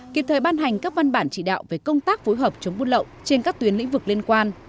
kịp thời ban hành các văn bản chỉ đạo về công tác phối hợp chống buôn lậu trên các tuyến lĩnh vực liên quan